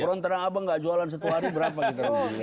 orang tenang apa gak jualan satu hari berapa kita rugi